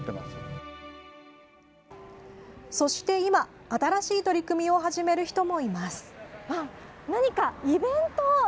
そして今新しい取り組みを始める人もいます。